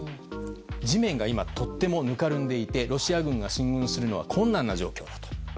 地面が今、とてもぬかるんでいてロシア軍が進軍するのは困難な状況だと。